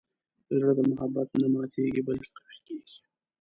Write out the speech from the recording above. زړه د محبت نه ماتیږي، بلکې قوي کېږي.